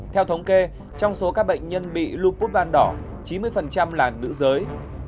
theo thống kê trong số các bệnh nhân bị lupus ban đỏ chín mươi là nữ giới